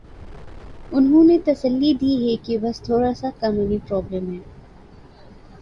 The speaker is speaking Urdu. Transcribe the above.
انہوں نے تسلی دی کہ بس تھوڑا سا قانونی پرابلم ہے۔